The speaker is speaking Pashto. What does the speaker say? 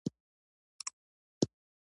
دا به څومره سخت وي.